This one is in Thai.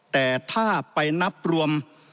แต่ถ้าไปนับรวม